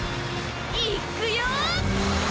いっくよ！